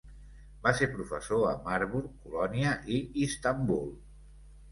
Va ser professor a Marburg, Colònia i Istanbul.